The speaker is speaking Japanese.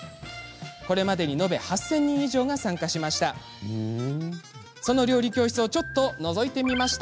これまでに延べ８０００人以上が参加しました。